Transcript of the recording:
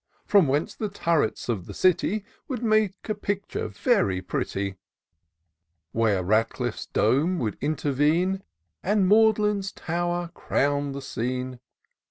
From whence the turrets of the city Would make a picture very pretty ; Where Radcliffs dome would intervene, And Magd'len tower crown the scene.